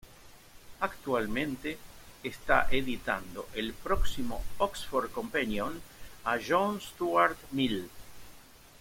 Actualmente, está editando el próximo "Oxford Companion" a John Stuart Mill.